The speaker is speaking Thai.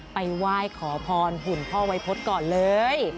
ไปไหว้ขอพรหุ่นพ่อวัยพฤษก่อนเลย